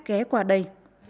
khé qua đây